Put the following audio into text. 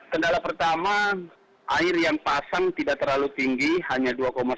kendala pertama air yang pasang tidak terlalu tinggi hanya dua satu